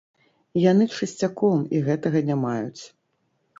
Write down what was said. Яны часцяком і гэтага не маюць.